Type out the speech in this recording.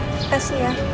terima kasih ya